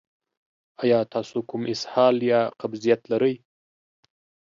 ایا تاسو کوم اسهال یا قبضیت لرئ؟